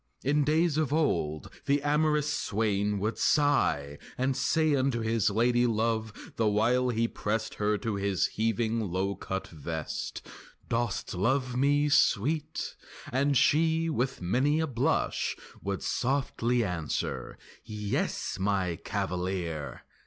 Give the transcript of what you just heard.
In days of old the amorous swain would sigh And say unto his lady love the while He pressed her to his heaving low cut vest, "Dost love me, sweet?" And she, with many a blush, Would softly answer, "Yes, my cavalier!"